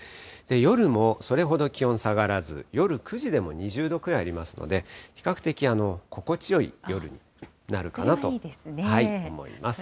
夜もそれほど気温下がらず、夜９時でも２０度くらいありますので、比較的、心地よい夜になるかなと思います。